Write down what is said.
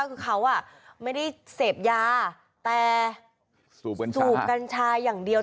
คือเขาไม่ได้เสพยาแต่สูบกัญชาอย่างเดียว